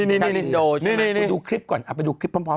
นี่ดูคริปก่อนไปดูคริปพร้อม